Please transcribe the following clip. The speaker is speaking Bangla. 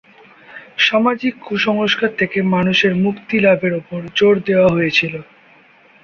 সামাজিক কুসংস্কার থেকে মানুষের মুক্তি লাভের ওপর জোর দেয়া হয়েছিলো।